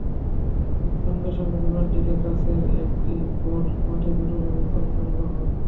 সঙ্গে সঙ্গে বিমানটিকে কাছের একটি গলফ মাঠে জরুরি অবতরণ করানো হয়।